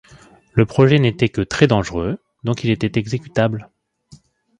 Le projet n’était que très-dangereux, donc il était exécutable.